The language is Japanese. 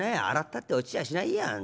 洗ったって落ちやしないよ